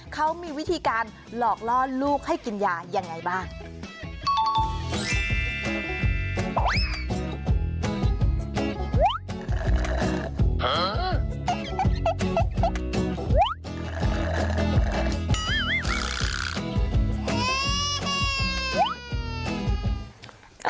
เขามีวิธีการหลอกล่อลูกให้กินยายังไงบ้าง